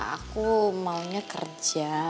aku maunya kerja